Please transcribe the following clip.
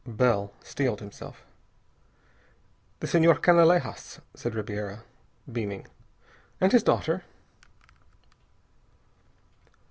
Bell steeled himself. "The Senhor Canalejas," said Ribiera, beaming, "and his daughter."